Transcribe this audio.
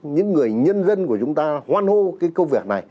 những người nhân dân của chúng ta hoan hô cái công việc này